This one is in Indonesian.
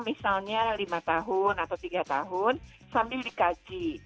misalnya lima tahun atau tiga tahun sambil dikaji